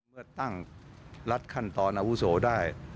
เมื่อตั้งรัฐขั้นตอนอาวุโสได้